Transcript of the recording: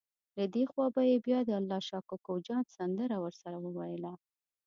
له دې خوا به یې بیا د الله شا کوکو جان سندره ورسره وویله.